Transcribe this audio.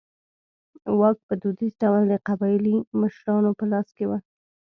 واک په دودیز ډول د قبایلي مشرانو په لاس کې و.